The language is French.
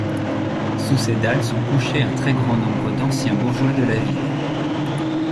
Sous ses dalles sont couchés un très grand nombre d'anciens bourgeois de la ville.